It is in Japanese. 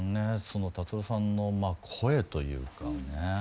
その達郎さんの声というかね。